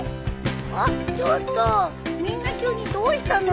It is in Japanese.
あっちょっとみんな急にどうしたのさ？